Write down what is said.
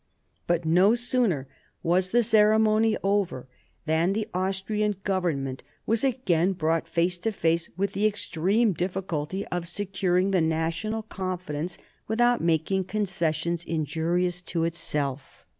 But no sooner was the ceremony over than the Austrian Government was again brought face to face with the ex treme difficulty of securing the national confidence with 1740 43 WAR OF SUCCESSION 17 out making concessions injurious to itself.